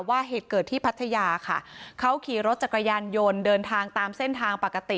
เหตุเกิดที่พัทยาค่ะเขาขี่รถจักรยานยนต์เดินทางตามเส้นทางปกติ